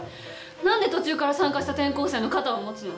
何で途中から参加した転校生の肩を持つの？